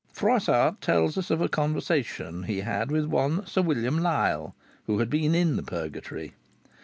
Froissart tells us of a conversation he had with one Sir William Lisle, who had been in the Purgatory.